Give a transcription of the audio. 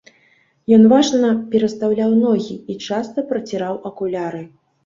Ён важна перастаўляў ногі і часта праціраў акуляры.